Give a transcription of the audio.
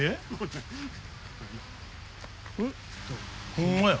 ほんまや。